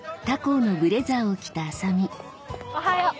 おはよう。